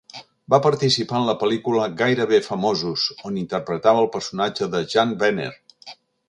Va participar a la pel·lícula "Gairebé famosos", on interpretava el personatge de Jann Wenner.